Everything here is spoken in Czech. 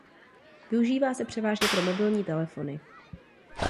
Využívá se převážně pro mobilní telefony.